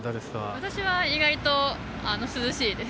私は意外と涼しいです。